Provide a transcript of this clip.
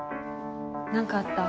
何かあった？